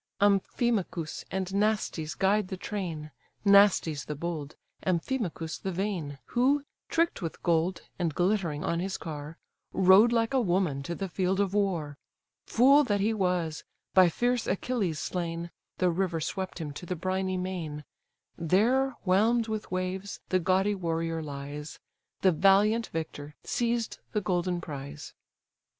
Amphimachus and Naustes guide the train, Naustes the bold, Amphimachus the vain, Who, trick'd with gold, and glittering on his car, Rode like a woman to the field of war. Fool that he was! by fierce Achilles slain, The river swept him to the briny main: There whelm'd with waves the gaudy warrior lies The valiant victor seized the golden prize.